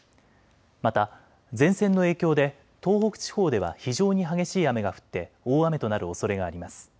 また前線の影響で東北地方では非常に激しい雨が降って大雨となるおそれがあります。